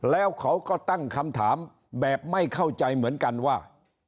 แล้วเขาก็ตั้งคำถามแบบไม่เข้าใจเหมือนกันว่า